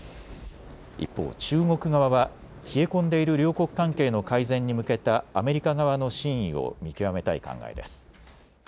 一方、中国側は冷え込んでいる両国関係の改善に向けたアメリカ側の真意を見極めたい考えです。